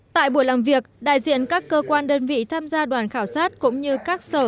tại buổi làm việc đại diện các cơ quan đơn vị tham gia đoàn khảo sát cũng như các sở